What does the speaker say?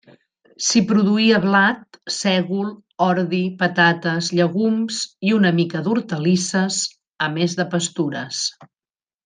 S'hi produïa blat, sègol, ordi, patates, llegums, i una mica d'hortalisses, a més de pastures.